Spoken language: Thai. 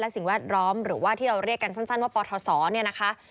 สิ่งแวดล้อมหรือว่าที่เราเรียกกันสั้นว่าปทศเนี่ยนะคะ